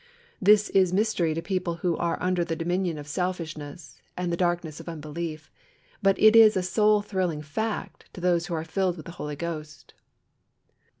This is mystery to people who are under the dominion of selfishness and the darkness of unbelief, but it is a soul thrilling fact to those who are filled with the Holy Ghost.